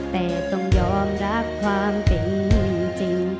แต่ต้องยอมรับความเป็นจริง